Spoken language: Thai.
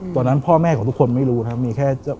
ตอนนั้นพ่อแม่ของทุกคนไม่รู้นะครับมีแค่